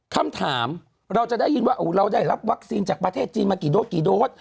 คำถามเราจะได้ยินว่าเราได้รับวัคซีนจากประเทศจีนมากี่โดสกี่โดส